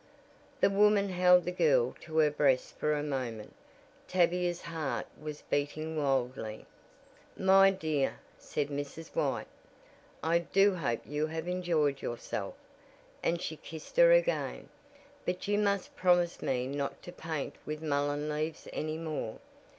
The woman held the girl to her breast for a moment. Tavia's heart was beating wildly. "My dear," said Mrs. White, "I do hope you have enjoyed yourself," and she kissed her again. "But you must promise me not to paint with mullen leaves any more.